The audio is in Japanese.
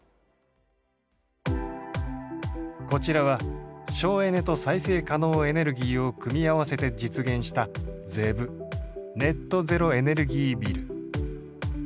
こちらは省エネと再生可能エネルギーを組み合わせて実現したＺＥＢネット・ゼロ・エネルギー・ビル。